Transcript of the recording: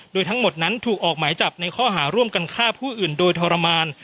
โดยทั้งหมดนั้นถูกออกหมายจับในข้อหาร่วมกันฆ่าผู้อื่นโดยทรมาน